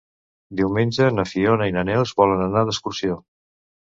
Diumenge na Fiona i na Neus volen anar d'excursió.